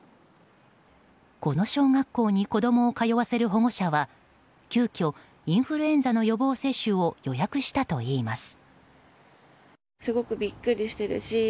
この小学校に子供を通わせる保護者は急きょインフルエンザの予防接種を予約したといいます。